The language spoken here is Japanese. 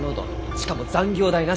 しかも残業代なし。